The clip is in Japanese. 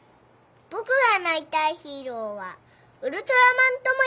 「ぼくがなりたいヒーローはウルトラマントモヤです」